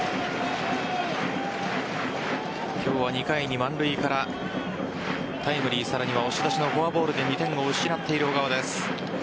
今日は２回に満塁からタイムリー、さらには押し出しのフォアボールで２点を失っている小川です。